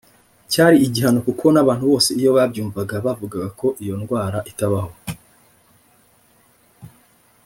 Cyari igihano kuko n’abantu bose iyo babyumvaga bavugaga ko iyo ndwara itabaho